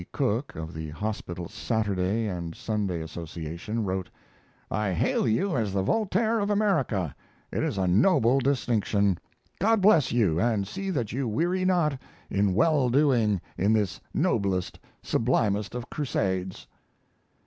Cook, of the Hospital Saturday and Sunday Association, wrote: "I hail you as the Voltaire of America. It is a noble distinction. God bless you and see that you weary not in well doing in this noblest, sublimest of crusades."